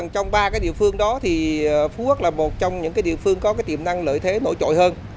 trong ba địa phương đó thì phú quốc là một trong những địa phương có tiềm năng lợi thế nổi trội hơn